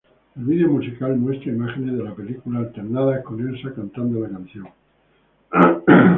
El vídeo musical muestra imágenes de la película, alternadas con Elsa cantando la canción.